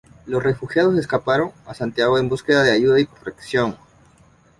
Los refugiados escaparon a Santiago en búsqueda de ayuda y protección.